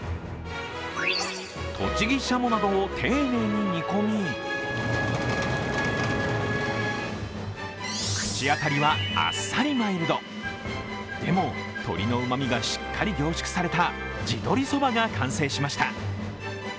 栃木しゃもなどを丁寧に煮込み口当たりはあっさりマイルド、でも鶏のうまみがしっかり凝縮された地鶏蕎麦が完成しました。